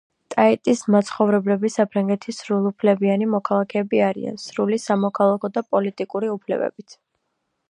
ტაიტის მაცხოვრებლები საფრანგეთის სრულუფლებიანი მოქალაქეები არიან სრული სამოქალაქო და პოლიტიკური უფლებებით.